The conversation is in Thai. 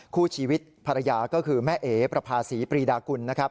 คู่ชีวิตภรรยาก็คือแม่เอ๋ประภาษีปรีดากุลนะครับ